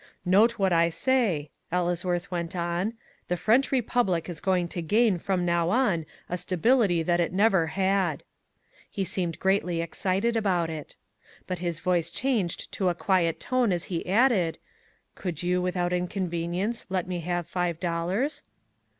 "Note what I say," Ellesworth went on. "The French Republic is going to gain from now on a stability that it never had." He seemed greatly excited about it. But his voice changed to a quiet tone as he added, "Could you, without inconvenience, let me have five dollars?"